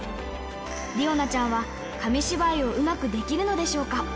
理央奈ちゃんは、紙芝居をうまくできるのでしょうか。